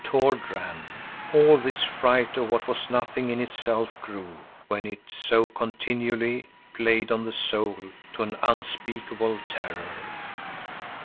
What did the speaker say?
Tord ran. All this fright of what was nothing in itself grew, when it so continually played on the soul, to an unspeakable terror.